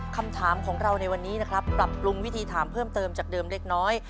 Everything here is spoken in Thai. คำถามของเราในวันนี้นะครับปรับปรุงวิธีถามเพิ่มเติมจากเดิมเล็กน้อย